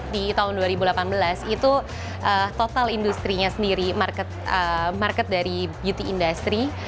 di tahun dua ribu delapan belas itu total industri nya sendiri market dari beauty industry